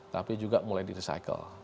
tapi juga mulai di recycle